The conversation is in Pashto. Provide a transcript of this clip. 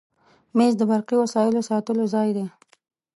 مېز د برقي وسایلو ساتلو ځای دی.